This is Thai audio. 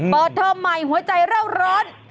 เทอมใหม่หัวใจเล่าร้อน